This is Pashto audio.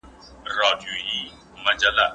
د ټولنې ټول افراد څنګه د متقابل عمل برخه ګرځي؟